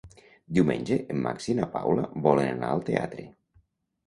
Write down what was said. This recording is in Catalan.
Diumenge en Max i na Paula volen anar al teatre.